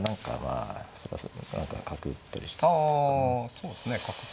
そうですね角。